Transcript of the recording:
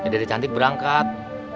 dede cantik berangkat